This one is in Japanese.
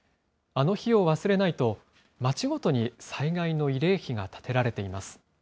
あの日を忘れないと、町ごとに災害の慰霊碑が建てられています。